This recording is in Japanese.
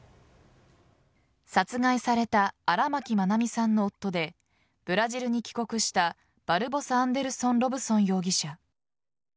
殺害された荒牧愛美さんの夫でブラジルに帰国したバルボサ・アンデルソン・ロブソン容疑者。